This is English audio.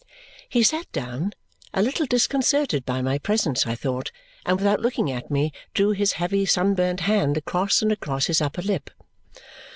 He sat down, a little disconcerted by my presence, I thought, and without looking at me, drew his heavy sunburnt hand across and across his upper lip.